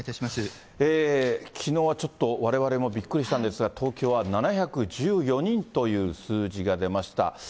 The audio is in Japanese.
きのうはちょっとわれわれもびっくりしたんですが、東京は７１４人という数字が出ました。